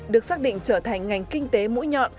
được xác định trở thành ngành kinh tế mũi nhọn